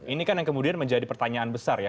ini kan yang kemudian menjadi pertanyaan besar ya